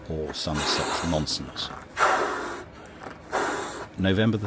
or some such nonsense. NOVEMBER 3.